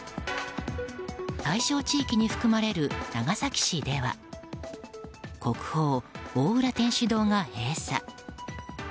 対象地域に含まれる長崎市では国宝・大浦天主堂が閉鎖。